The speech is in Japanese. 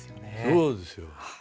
そうですよ。